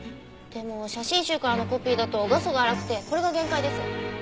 でも写真集からのコピーだと画素が粗くてこれが限界です。